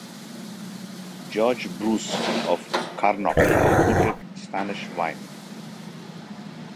George Bruce of Carnock imported Spanish wine.